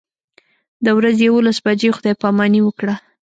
د ورځې یوولس بجې خدای پاماني وکړه.